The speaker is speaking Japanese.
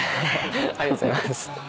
ありがとうございます。